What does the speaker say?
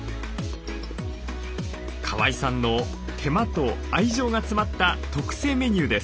川井さんの手間と愛情が詰まった特製メニューです。